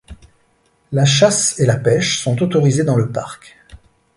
La chasse et la pêche sont autorisées dans le parc.